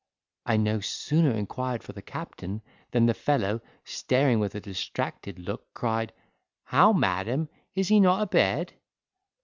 I no sooner inquired for the captain, than the fellow, staring with a distracted look, cried, "How, madam, is he not abed?"